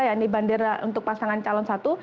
yang ini bendera untuk pasangan calon satu